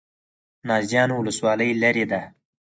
نازیانو ولسوالۍ لیرې ده؟